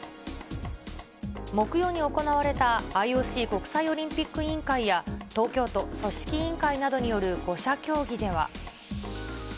木曜に行われたＩＯＣ・国際オリンピック委員会や、東京都、組織委員会などによる５者協議では。